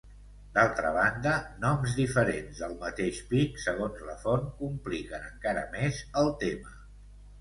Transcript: D'altra banda, noms diferents del mateix pic segons la font compliquen encara més el tema.